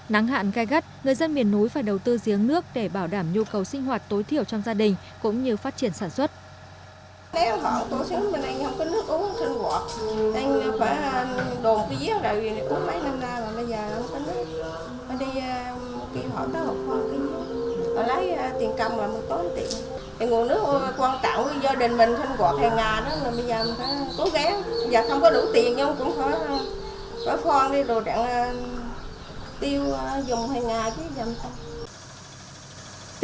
nắng hạn gai gắt người dân miền núi phải đầu tư giếng nước để bảo đảm nhu cầu sinh hoạt tối thiểu trong gia đình cũng như phát triển sản xuất